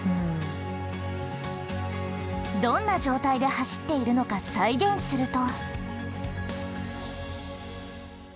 どんな状態で走っているのか再現すると。